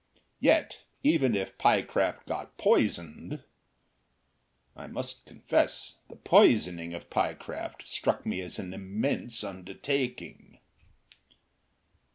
Yet even if Pyecraft got poisoned I must confess the poisoning of Pyecraft struck me as an immense undertaking.